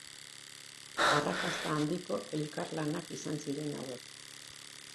Arrakasta handiko elkarlanak izan ziren hauek.